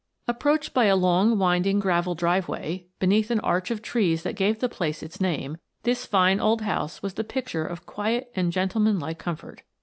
Approached by a long, winding, gravel driveway, beneath an arch of the trees that gave the place its name, this fine old house was the picture of quiet and gentlemanlike comfort.